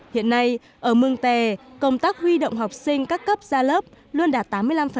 hiện nay ở mường tè công tác huy động học sinh các cấp ra lớp luôn đạt tám mươi năm